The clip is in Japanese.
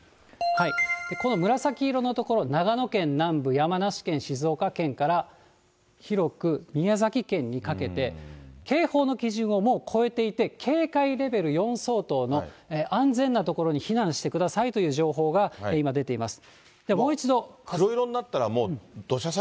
この紫色の所、長野県南部、山梨県、静岡県から広く宮崎県にかけて、警報の基準をもう超えていて、警戒レベル４相当の安全な所に避難してくださいという情報が今、出ています。